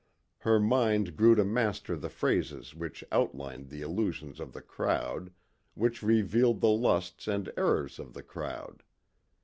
Her mind grew to master the phrases which outlined the illusions of the crowd, which revealed the lusts and errors of the crowd.